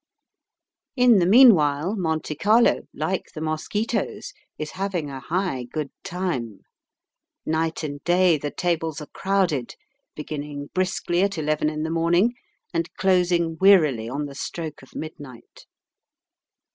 In the meanwhile, Monte Carlo, like the mosquitoes, is having a high good time. Night and day the tables are crowded, beginning briskly at eleven in the morning and closing wearily on the stroke of midnight.